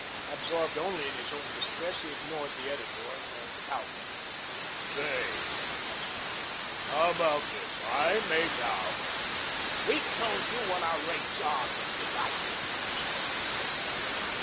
Absorbed only in his own distress, he ignored the editor and the cow puncher. "Say," he hazarded, "how about this? I make out "We've told you what our rates are, Mr. Dyke," exclaimed the clerk angrily.